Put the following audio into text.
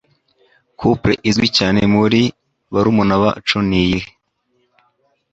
couple izwi cyane muri barumuna bacu n’yihe?